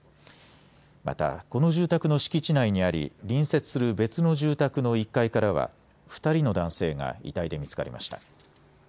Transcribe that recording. また、この住宅の敷地内にあり隣接する別の住宅の１階からは２人の男性が遺体で見つかりました。